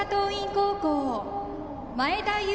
高校前田悠